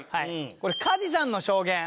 これ加地さんの証言。